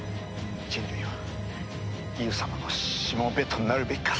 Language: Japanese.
人類はギフ様のしもべとなるべきか？